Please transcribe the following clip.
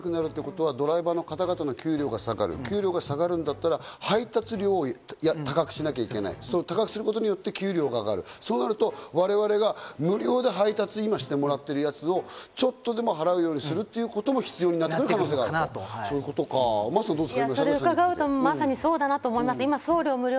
働く時間が短くなるということはドライバーさんの給料が下がる、給料が下がるなら、配達料を高くしなきゃいけない、高くすることで給料が上がる、そうなると我々が無料で配達を今してもらってるやつをちょっとでも払うようにすることが重要になってくるということか真麻さん、いかがですか？